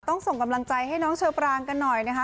ส่งกำลังใจให้น้องเชอปรางกันหน่อยนะคะ